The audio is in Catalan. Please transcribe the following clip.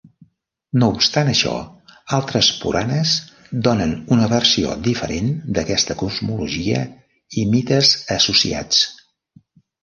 No obstant això, altres puranas donen una versió diferent d'aquesta cosmologia i mites associats.